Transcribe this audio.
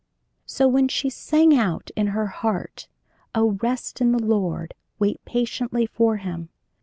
So when she sang out of her heart, 'O rest in the Lord; wait patiently for him!'